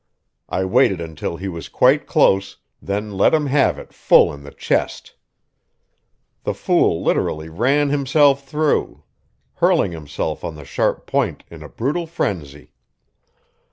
I waited until he was quite close, then let him have it full in the chest. The fool literally ran himself through, hurling himself on the sharp point in a brutal frenzy.